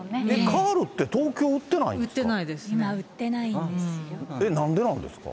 カールって東京売ってないんですか？